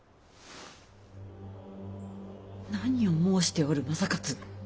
何を申しておる正勝！